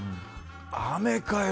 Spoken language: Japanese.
雨かよ。